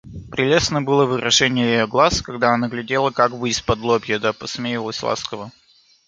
Прелестно было выражение ее глаз, когда она глядела как бы исподлобья да посмеивалась ласково.